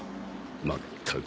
まったく。